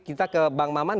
kita ke bang maman